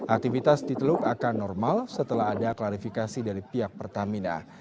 aktivitas di teluk akan normal setelah ada klarifikasi dari pihak pertamina